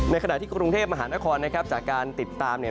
ในขณะที่กรุงเทพมหานครจากการติดตาม